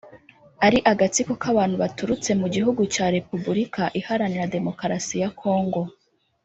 ari agatsiko k’abantu baturutse mu gihugu cya Repubulika iharanira Demokarasi ya Congo